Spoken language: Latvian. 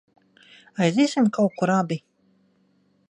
Aiziesim kaut kur abi?